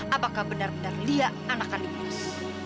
apakah benar benar lia anak kandung yos